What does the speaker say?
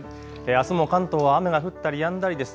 あすも関東は雨が降ったりやんだりです。